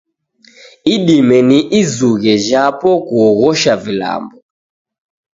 Idime ni izughe jhapo kuoghosha vilambo.